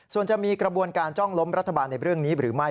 ส่วนจะมีกระบวนการจ้องล้มรัฐบาลในเรื่องนี้หรือไม่